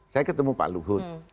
saya ketemu pak luhut